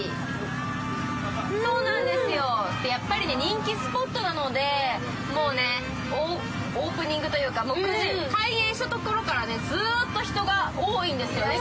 やっぱり人気スポットなので、オープニングというか開園したところからずーっと人が多いんですよね。